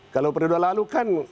kalau periode lalu kan